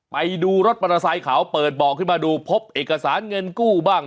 ไปดูรถปันศัยขาวเปิดบ่อขึ้นมาดูพบเอกสารเงินกู้บ้าง